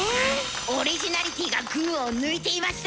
オリジナリティーが群を抜いていました！